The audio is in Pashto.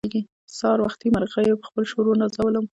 سهار وختي مرغيو په خپل شور ونازولم.